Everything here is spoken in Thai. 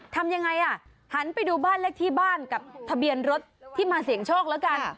ทำยังไงอ่ะหันไปดูบ้านเลขที่บ้านกับทะเบียนรถที่มาเสี่ยงโชคแล้วกัน